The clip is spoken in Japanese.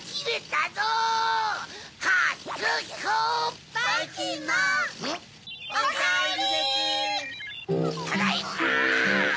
ただいま！